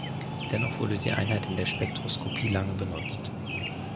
Dennoch wurde die Einheit in der Spektroskopie lange benutzt.